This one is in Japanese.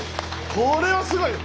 これはすごい。